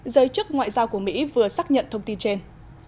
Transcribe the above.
giới chức ngoại giao của mỹ vừa xác nhận thông tin trên